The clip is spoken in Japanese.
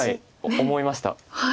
思いました。